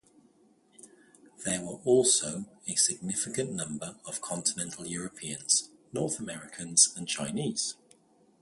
There were also a significant number of continental Europeans, North Americans and Chinese.